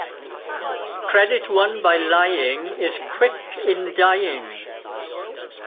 Credit won by lying is quick in dying.